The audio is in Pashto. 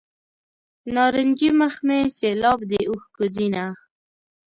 نارنجي مخ مې سیلاب د اوښکو ځینه.